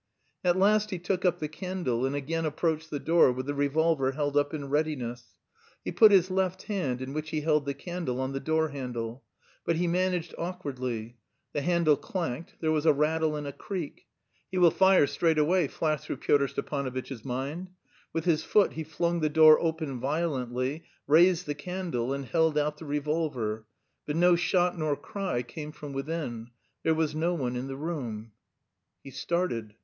At last he took up the candle and again approached the door with the revolver held up in readiness; he put his left hand, in which he held the candle, on the doorhandle. But he managed awkwardly: the handle clanked, there was a rattle and a creak. "He will fire straightway," flashed through Pyotr Stepanovitch's mind. With his foot he flung the door open violently, raised the candle, and held out the revolver; but no shot nor cry came from within.... There was no one in the room. He started.